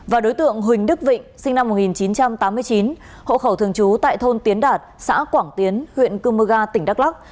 và đối tượng huỳnh đức vịnh sinh năm một nghìn chín trăm tám mươi chín hộ khẩu thường trú tại thôn tiến đạt xã quảng tiến huyện cơ mơ ga tỉnh đắk lắc